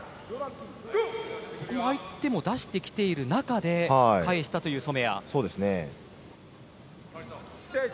ここは相手も出してきている中で返したという染谷。